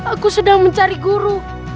aku sedang mencari guru